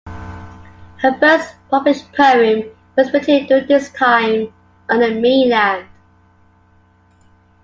Her first published poem was written during this time on the mainland.